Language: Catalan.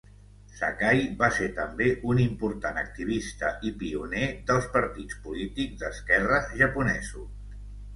Sakai va ser també un important activista i pioner dels partits polítics d'esquerra japonesos.